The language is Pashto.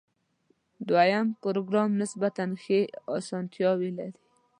دویم پروګرام نسبتاً ښې آسانتیاوې لري.